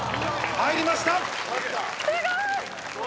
入りました。